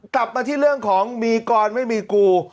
กลับมาที่เรื่องของมีกรไม่มีกู